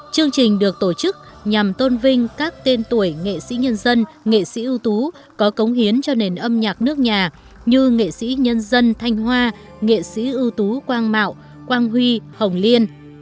chương trình được tổ chức nhằm tôn vinh các tên tuổi nghệ sĩ nhân dân nghệ sĩ ưu tú có cống hiến cho nền âm nhạc nước nhà như nghệ sĩ nhân dân thanh hoa nghệ sĩ ưu tú quang mạo quang huy hồng liên